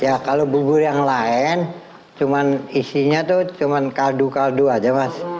ya kalau bubur yang lain isinya itu cuma kaldu kaldu saja mas